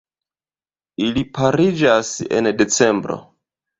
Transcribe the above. Ili pariĝas en decembro.